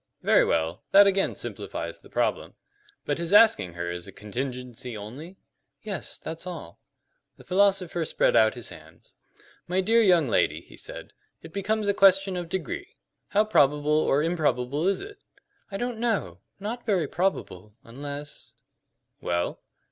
"Very well. That again simplifies the problem. But his asking her is a contingency only?" "Yes, that's all." The philosopher spread out his hands. "My dear young lady," he said, "it becomes a question of degree. How probable or improbable is it?" "I don't know; not very probable unless " "Well?"